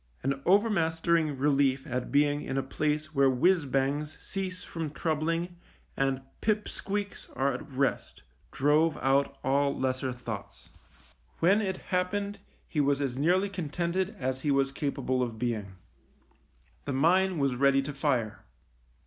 An overmastering relief at being in a place where whizz bangs cease from troubling and 7 98 THE MINE pip squeaks are at rest drove out all lesser thoughts. When it happened he was as nearly contented as he was capable of being. The mine was ready to fire.